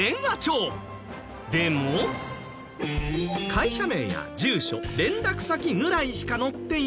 会社名や住所連絡先ぐらいしか載っていないので。